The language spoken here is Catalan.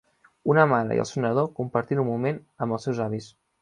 Una mare i el seu nadó compartint un moment amb els seus avis.